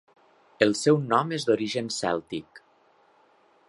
El seu nom és d'origen cèltic.